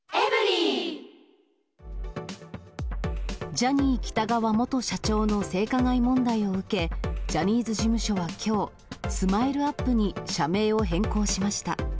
ジャニー喜多川元社長の性加害問題を受け、ジャニーズ事務所はきょう、スマイルアップに社名を変更しました。